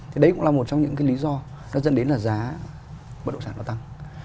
thì đấy cũng là một trong những cái lý do nó dẫn đến là giá bất động sản nó tăng